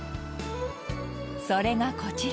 それがこちら。